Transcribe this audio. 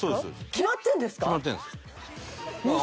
決まってるんです。